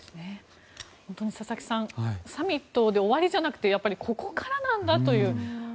本当に佐々木さんサミットで終わりじゃなくてここからなんだという。